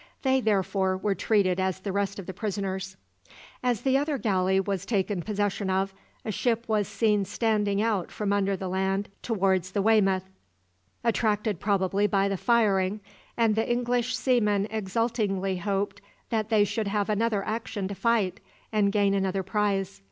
They therefore were treated as the rest of the prisoners. As the other galley was taken possession of, a ship was seen standing out from under the land towards the "Weymouth," attracted probably by the firing, and the English seamen exultingly hoped that they should have another action to fight, and gain another prize.